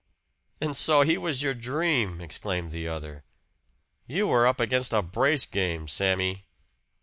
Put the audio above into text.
"And so he was your dream!" exclaimed the other. "You were up against a brace game, Sammy!"